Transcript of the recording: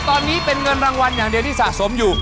ตอนนี้เป็นเงินรางวัลอย่างเดียวที่สะสมอยู่